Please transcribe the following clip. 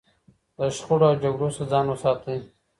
له شخړو او جګړو څخه ځان وساتئ.